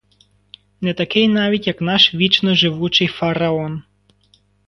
Не такий навіть, як наш вічно живучий фараон.